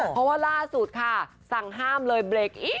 เพราะว่าล่าสุดค่ะสั่งห้ามเลยเบรกอีก